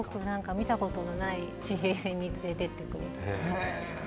見たことのない地平線に連れてってくれる。